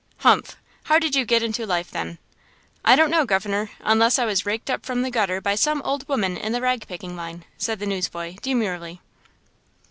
"Humph! How did you get into life, then?" "I don't know, governor, unless I was raked up from the gutter by some old woman in the rag picking line!" said the newsboy, demurely.